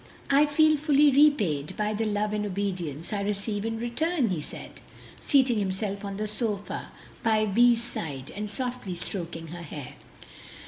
"I feel fully repaid by the love and obedience I receive in return," he said, seating himself on the sofa by Vi's side and softly stroking her hair.